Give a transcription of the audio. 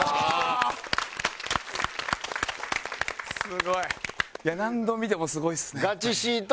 すごい。いや何度見てもすごいっすね。